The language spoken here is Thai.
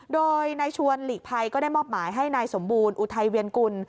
โดยนายชวนหลีกภัยก็ได้มอบหมายให้นายสมบูรณ์อุทัยเวียนกุล